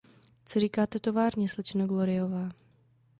Co říkáte továrně, slečno Gloryová?